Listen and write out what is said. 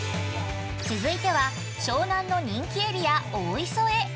◆続いては湘南の人気エリア大磯へ。